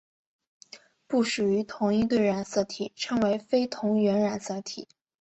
不属于同一对的染色体称为非同源染色体。